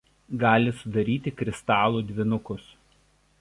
Gali sudaryti kristalų dvynukus.